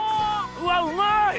うわうまい！